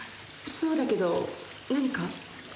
そうだけど何か？